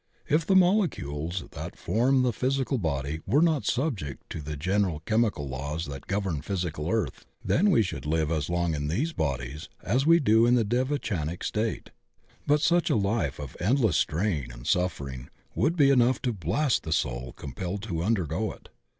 If the molecules that form the physical body were not subject to the general chem ical laws that govern physical earth, then we should live as long in these bodies as we do in the devachanic state. But such a life of endless strain and suffering would be enough to blast the soul compelled to un dergo it.